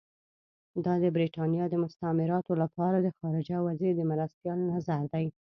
دا د برټانیې د مستعمراتو لپاره د خارجه وزیر د مرستیال نظر دی.